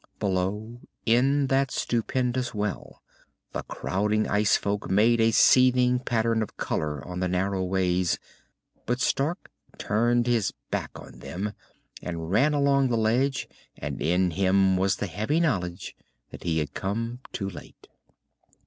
Below, in that stupendous well, the crowding ice folk made a seething pattern of color on the narrow ways. But Stark turned his back on them and ran along the ledge, and in him was the heavy knowledge that he had come too late.